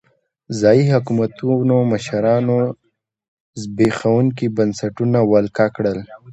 ځايي حکومتونو مشرانو زبېښونکي بنسټونه ولکه کړل.